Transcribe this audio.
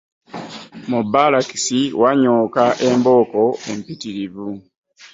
Mu Baalakisi wanyokka embooko empitirivu.